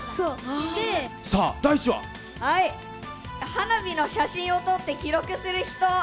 花火の写真を撮って記録する人。